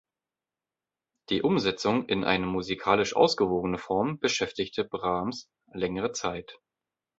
Die Umsetzung in eine musikalisch ausgewogene Form beschäftigte Brahms längere Zeit.